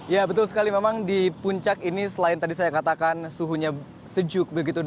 ya betul sekali memang di puncak ini selain tadi saya katakan suhunya sejuk begitu